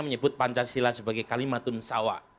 menyebut pancasila sebagai kalimatun sawa